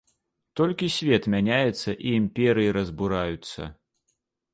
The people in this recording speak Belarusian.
Толькі свет мяняецца і імперыі разбураюцца!